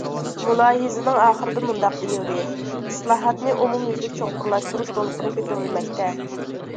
مۇلاھىزىنىڭ ئاخىرىدا مۇنداق دېيىلدى: ئىسلاھاتنى ئومۇميۈزلۈك چوڭقۇرلاشتۇرۇش دولقۇنى كۆتۈرۈلمەكتە.